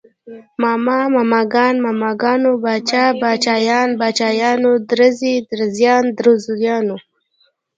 ماما، ماماګان، ماماګانو، باچا، باچايان، باچايانو، درزي، درزيان، درزیانو